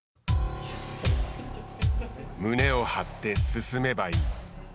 胸を張って進めばいい。